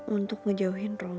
untuk ngejauhin roman